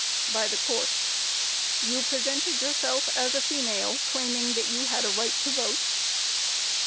By THE COURT: Q. You presented yourself as a female, claiming that you had a right to vote?